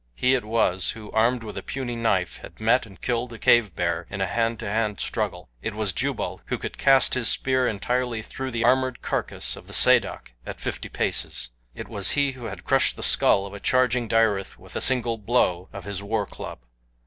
He it was who, armed with a puny knife, had met and killed a cave bear in a hand to hand struggle. It was Jubal who could cast his spear entirely through the armored carcass of the sadok at fifty paces. It was he who had crushed the skull of a charging dyryth with a single blow of his war club.